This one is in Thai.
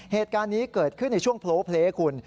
เหตุการณ์นี้เกิดขึ้นในช่วงโพลเพลคุณ